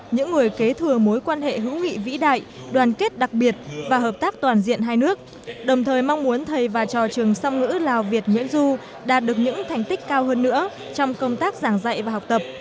những người kế thừa mối quan hệ hữu nghị vĩ đại đoàn kết đặc biệt và hợp tác toàn diện hai nước đồng thời mong muốn thầy và trò trường song ngữ lào việt nguyễn du đạt được những thành tích cao hơn nữa trong công tác giảng dạy và học tập